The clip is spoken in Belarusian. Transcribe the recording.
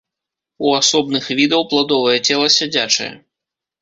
У асобных відаў пладовае цела сядзячае.